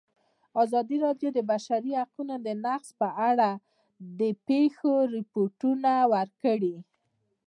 ازادي راډیو د د بشري حقونو نقض په اړه د پېښو رپوټونه ورکړي.